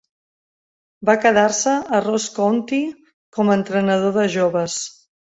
Va quedar-se a Ross County com a entrenador de joves.